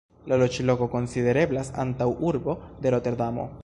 La loĝloko konsidereblas antaŭurbo de Roterdamo.